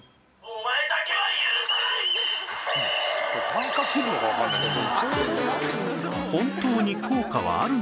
たんか切るのがわかんないけど。